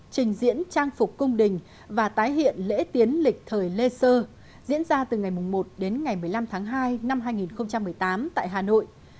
trình diễn trang phục cung đình và tái hiện lễ tiến lịch thời lê sơ diễn ra từ ngày một đến ngày một mươi năm tháng hai năm hai nghìn một mươi tám tại hà nội